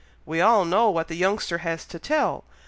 we all know what the youngster has to tell!